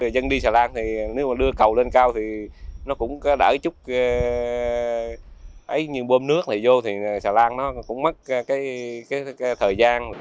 dân đi xà lan thì nếu mà đưa cầu lên cao thì nó cũng có đỡ chút như bơm nước này vô thì xà lan nó cũng mất cái thời gian